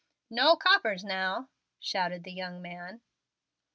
"No coppers now!" shouted the young man.